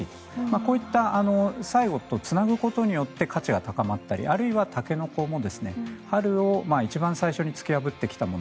こういった作用とつなぐことによって価値が高まったりあるいはタケノコも春に一番最初に突き破ってきたもの